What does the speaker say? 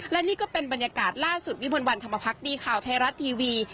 และนี่ก็เป็นบรรยากาศล่าสุดวิมวลวันธรรมพักดีข่าวไทยรัฐทีวี